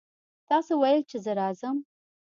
تاسې ویل چې زه راځم.